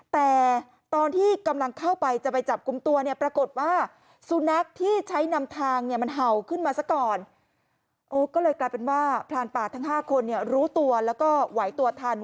แต่ตอนที่กำลังเข้าไปจะไปจับกลุ่มตัวปรากฏว่าสุนัขที่ใช้นำทางมันเห่าขึ้นมาสักก่อน